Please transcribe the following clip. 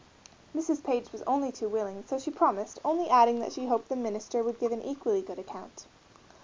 Mrs. Page was only too willing, so she promised, only adding that she hoped the minister would give an equally good account.